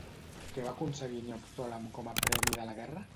Què va aconseguir Neoptòlem com a premi de la guerra?